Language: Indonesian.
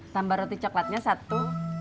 tambah roti coklatnya satu